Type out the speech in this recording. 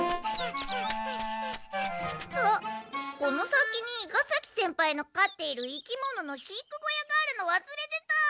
あっこの先に伊賀崎先輩のかっている生き物の飼育小屋があるのわすれてた！